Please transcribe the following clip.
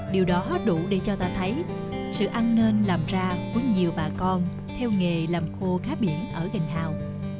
điều đó đủ để cho ta thấy sự ăn nên làm ra của nhiều bà con theo nghề làm khô khá biển ở gành hào